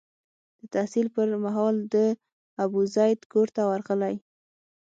د تحصیل پر مهال د ابوزید کور ته ورغلی.